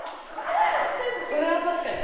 それは確かに。